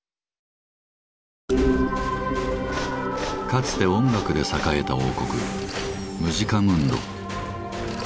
かつて音楽で栄えた王国「ムジカムンド」。